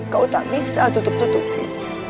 kau tak bisa tutup tutupi